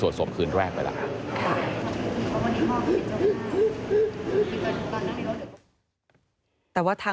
พบหน้าลูกแบบเป็นร่างไร้วิญญาณ